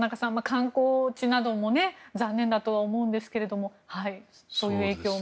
観光地なども残念だとは思うんですけれどもそういう影響も。